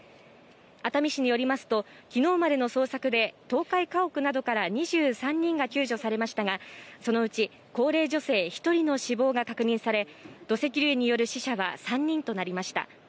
熱海市によりますと、昨日までの捜索で倒壊家屋などから２３人が救助されましたが、そのうち高齢女性１人の死亡が確認され、土石流による死者は３人となりました。